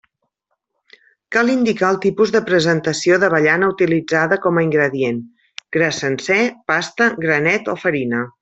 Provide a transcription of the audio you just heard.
Cal indicar el tipus de presentació d'avellana utilitzada com a ingredient: gra sencer, pasta, granet o farina.